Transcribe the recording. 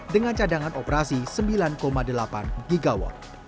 dengan cadangan operasi sembilan delapan gw